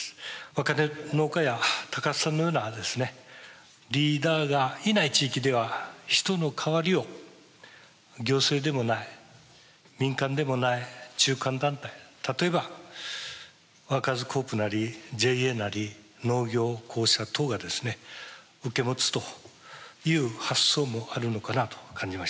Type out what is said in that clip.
若手農家や橋さんのようなリーダーがいない地域では人の代わりを行政でもない民間でもない中間団体例えばワーカーズコープなりＪＡなり農業公社等がですね受け持つという発想もあるのかなと感じました。